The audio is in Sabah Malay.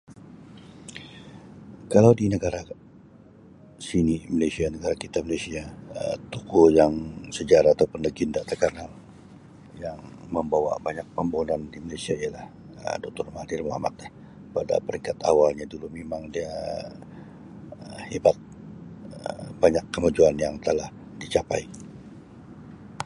Kalau di negara sini Malaysia negara kita Malaysia Um tokoh yang sejarah atau pun yang legenda terkanal yang membawa banyak pemodenan di Malaysia ialah Um Doktor Mahathir Mohamad lah pada peringkat awalnya dulu memang dia Um hebat Um banyak kemajuan yang telah dicapai.